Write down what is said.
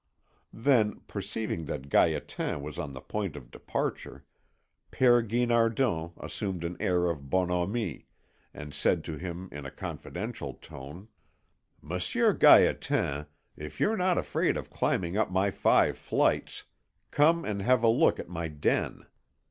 Then, perceiving that Gaétan was on the point of departure, Père Guinardon assumed an air of bonhomie, and said to him in a confidential tone: "Monsieur Gaétan, if you're not afraid of climbing up my five flights, come and have a look at my den.